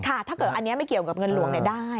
ถ้าเกิดอันนี้ไม่เกี่ยวกับเงินหลวงได้